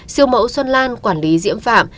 siêu mẫu xuân lan quản lý diễm phạm